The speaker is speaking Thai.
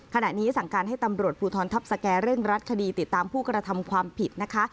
ขณะนี้สั่งการให้ตำรวจภูทรทัพสแก่เร่งรัดคดีติดตามผู้กระทำความผิดนะคะ